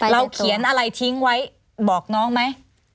เขียนอะไรทิ้งไว้บอกน้องไหม